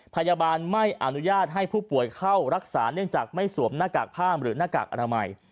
พยาบาลไม่อนุญาตให้ผู้ป่วยเข้ารักษาเนื่องจากไม่สวมหน้ากากผ้ามหรือหน้ากากอนามัย